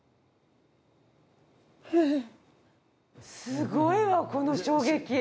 すごいわこの衝撃。